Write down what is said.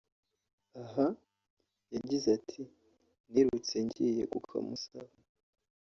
Aha yagize ati” Nirutse ngiye kukamusaba